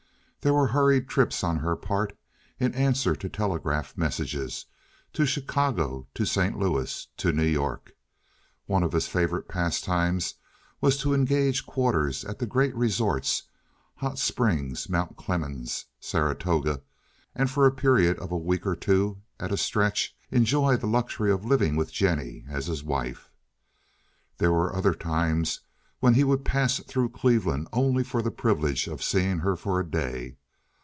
There were hurried trips on her part—in answer to telegraph massages—to Chicago, to St. Louis, to New York. One of his favorite pastimes was to engage quarters at the great resorts—Hot Springs, Mt. Clemens, Saratoga—and for a period of a week or two at a stretch enjoy the luxury of living with Jennie as his wife. There were other times when he would pass through Cleveland only for the privilege of seeing her for a day.